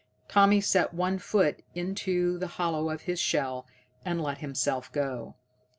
Tommy set one foot into the hollow of his shell, and let himself go.